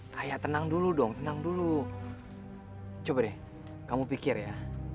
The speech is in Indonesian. kayak tenang dulu dong tenang dulu coba deh kamu pikir ya